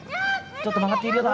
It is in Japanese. ちょっと曲がっているか？